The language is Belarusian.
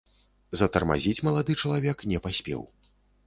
Затармазіць малады чалавек не паспеў.